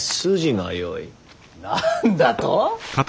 何だと。